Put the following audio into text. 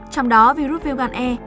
trong đó virus viêm gan e